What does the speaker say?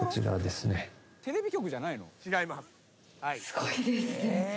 「すごいですね」